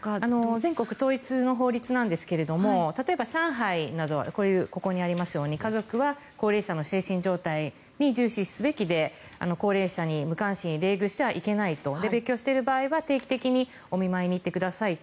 全国統一の法律なんですが例えば、上海などはここにありますように家族は高齢者の精神状態に重視すべきで高齢者に無関心冷遇してはいけないと。別居している場合は、定期的にお見舞いに行ってくださいと。